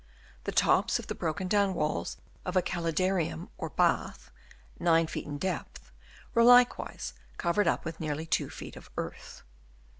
The tops of the broken down walls of a caldarium or bath, 9 feet in depth, were likewise covered up with nearly 2 feet of earth.